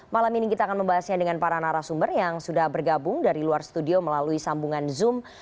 malam ini kita akan membahasnya dengan para narasumber yang sudah bergabung dari luar studio melalui sambungan zoom